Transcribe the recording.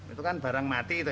itu kan barang mati itu